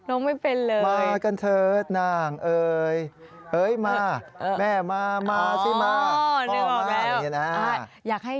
ไม่เป็นเลยมากันเถิดนางเอ่ยเอ้ยมาแม่มามาสิมาพ่อมาอย่างนี้นะ